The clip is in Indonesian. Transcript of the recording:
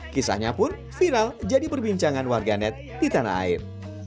kisahnya pun viral jadi perbincangan warganet di tanah air